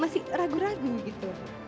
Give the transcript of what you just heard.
masih ragu ragu gitu